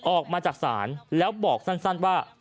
ออกมาจากศาลแล้วบอกสั้นว่า